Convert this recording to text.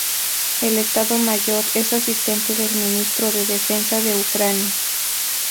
El Estado Mayor es asistente del Ministro de Defensa de Ucrania.